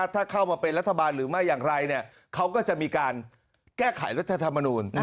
ถ้าเข้ามาเป็นรัฐบาลหรือไม่อย่างไรเขาก็จะมีการแก้ไขรัฐธรรมนูล